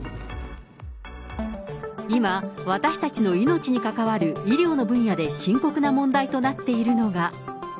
今、私たちの命にかかわる医療の分野で深刻な問題となっているのが。